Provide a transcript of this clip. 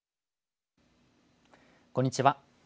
こんにちは。